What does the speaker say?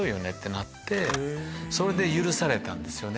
それで許されたんですよね。